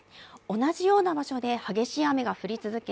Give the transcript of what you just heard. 同じような場所で激しい雨が降り続け